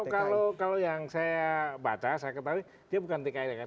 kalau yang saya baca saya ketahui dia bukan tki